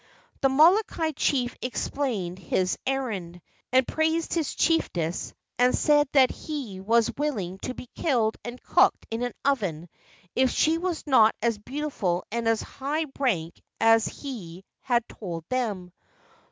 The Molokai chief explained his errand, and praised his chiefess, and said that he was willing to be killed and cooked in an oven if she were not as beautiful and of as high rank as he had told them.